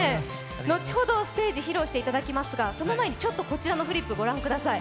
後ほどステージ披露していただきますがその前に、こちらのフリップご覧ください。